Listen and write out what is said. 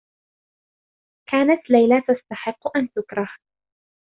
كانت ليلى تستحقّ أن تُكره.